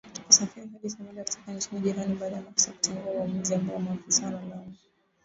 kusafiri hadi Somalia kutoka nchi jirani baada ya maafisa kutengua uamuzi ambao maafisa wanalaumu